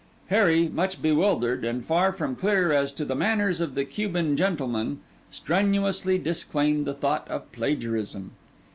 Harry, much bewildered, and far from clear as to the manners of the Cuban gentlemen, strenuously disclaimed the thought of plagiarism.